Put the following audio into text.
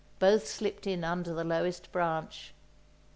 Both slipped in under the lowest branch.